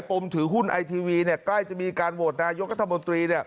มถือหุ้นไอทีวีใกล้จะมีการโหวตนายกัธมนตรี